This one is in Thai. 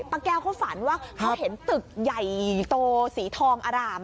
ป้าแก้วเขาฝันว่าเขาเห็นตึกใหญ่โตสีทองอร่าม